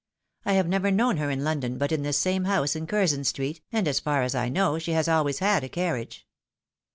I have 'never known her in London but in this same house in Curzon street, and as far as I know, she has always had a carriage."